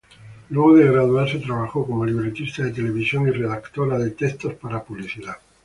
Luego de graduarse trabajó como libretista de televisión y redactora de textos para publicidad.